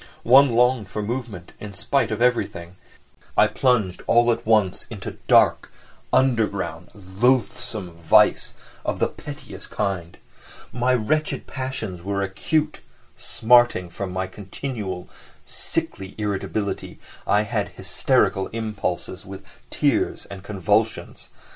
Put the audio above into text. One longed for movement in spite of everything, and I plunged all at once into dark, underground, loathsome vice of the pettiest kind. My wretched passions were acute, smarting, from my continual, sickly irritability I had hysterical impulses, with tears and convulsions.